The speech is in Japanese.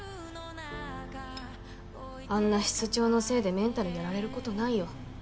あんな室長のせいでメンタルやられる事ないよ。